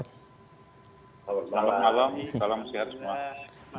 selamat malam salam sehat semua